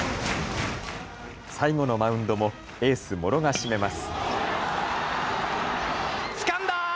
最後のマウンドもエース、茂呂が締めます。